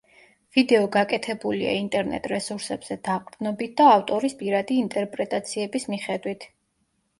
ვიდეო გაკეთებულია ინტერნეტ რესურსებზე დაყრდნობით და ავტორის პირადი ინტერპრეტაციების მიხედვით.